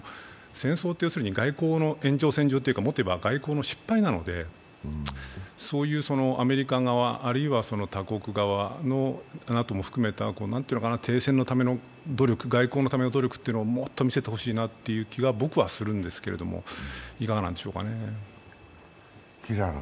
戦争って要するに外交の延長線上というか、外交の失敗なのでそういうアメリカ側あるいは他国側、ＮＡＴＯ含めた停戦のため、外交のための努力をもっと見せてほしいなという気が僕はするんですが、いかがでしょうかね。